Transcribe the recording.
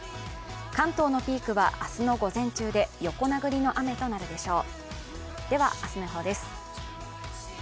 関東のピークは明日の午前中で、横殴りの雨となるでしょう。